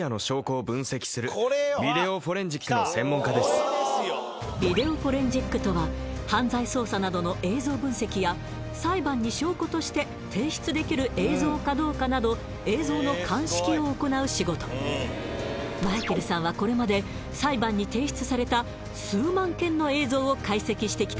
こちらはビデオフォレンジックとは犯罪捜査などの映像分析や裁判に証拠として提出できる映像かどうかなど映像の鑑識を行う仕事マイケルさんはこれまで裁判に提出された数万件の映像を解析してきた